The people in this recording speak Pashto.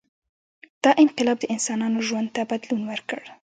• دا انقلاب د انسانانو ژوند ته بدلون ورکړ.